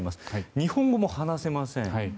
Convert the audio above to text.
日本語も話せません。